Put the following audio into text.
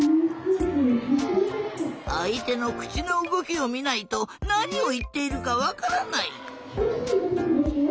あいてのくちのうごきをみないとなにをいっているかわからない。